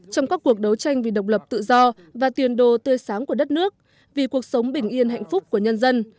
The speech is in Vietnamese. trong các cuộc đấu tranh vì độc lập tự do và tiền đồ tươi sáng của đất nước vì cuộc sống bình yên hạnh phúc của nhân dân